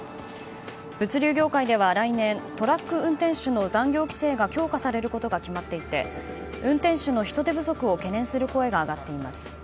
物流業界では来年トラック運転手の残業規制が強化されることが決まっていて運転手の人手不足が懸念する声が上がっています。